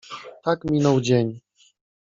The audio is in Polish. Tak minął dzień.